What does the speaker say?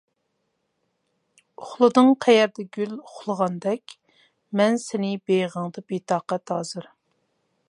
ئۇخلىدىڭ قەيەردە گۈل ئۇخلىغاندەك، مەن سېنى بېغىڭدا بىتاقەت ھازىر.